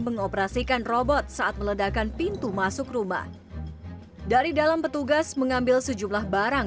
mengoperasikan robot saat meledakan pintu masuk rumah dari dalam petugas mengambil sejumlah barang